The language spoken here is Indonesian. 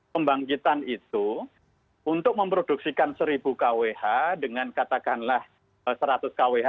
pembangkitan itu untuk memproduksikan seribu kwh dengan katakanlah seratus kwh